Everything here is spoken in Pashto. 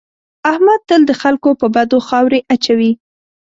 احمد تل د خلکو په بدو خاورې اچوي.